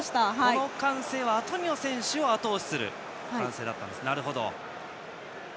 この歓声はアトニオ選手をあと押しする歓声なんですね。